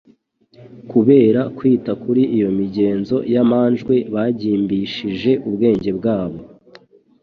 Kubera kwita kuri iyo migenzo y'amanjwe bagimbishije ubwenge bwabo